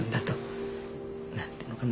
何て言うのかな